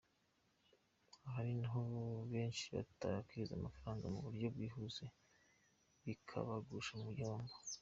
Aha ni ho benshi batakariza amafaranga mu buryo bwihuse bikabagusha mu gihombo.